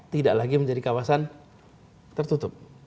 tidak lagi menjadi kawasan tertutup